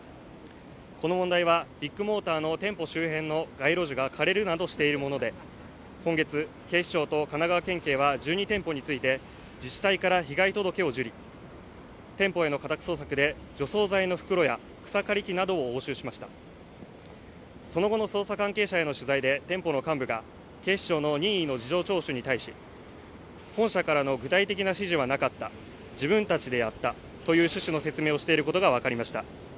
この問題はビッグモーターの店舗周辺の街路樹が枯れるなどしているもので今月、警視庁と神奈川県警は１２店舗について自治体から被害届を受理店舗への家宅捜索で除草剤の袋や草刈り機などを押収しましたその後の捜査関係者への取材で店舗の幹部が警視庁の任意の事情聴取に対し本社からの具体的な指示はなかった自分たちでやったという趣旨の説明をしていることが分かりました